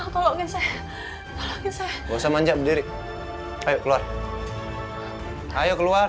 tolong saya bosa manja berdiri ayo keluar hai ayo keluar